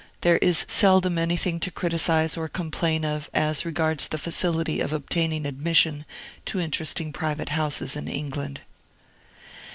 There is seldom anything to criticise or complain of, as regards the facility of obtaining admission to interesting private houses in England.